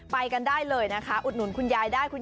ไปกันได้อุดหนุนคุณยายได้